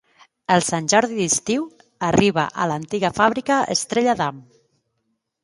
El Sant Jordi d'Estiu arriba a l'Antiga Fàbrica Estrella Damm.